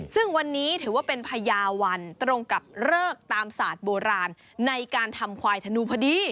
ซึ่งวันนี้ถือว่าเป็นพญาวันตรงกับเลิกตามศาสตร์โบราณในการทำควายธนูพอดี